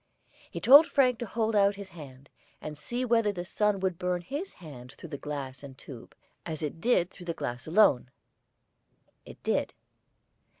He told Frank to hold out his hand, and see whether the sun would burn his hand through the glass and tube, as it did through the glass alone. It did.